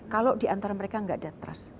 kalau diantara mereka tidak ada trust